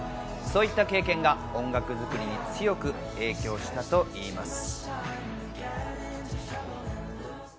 そういった経験が音楽作りに強く影響したといいます。